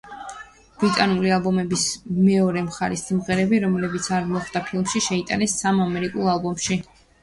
ბრიტანული ალბომის მეორე მხარის სიმღერები, რომლებიც არ მოხვდა ფილმში, შეიტანეს სამ ამერიკულ ალბომში.